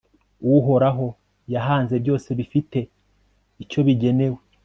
uhoraho yahanze byose bifite icyo bigenewe